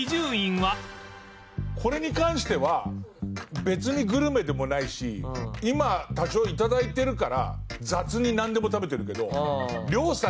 これに関しては別にグルメでもないし今多少頂いてるから雑になんでも食べてるけど。